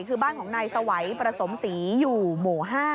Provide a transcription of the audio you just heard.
คือบ้านของนายสวัยประสมศรีอยู่หมู่๕